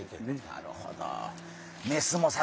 なるほど。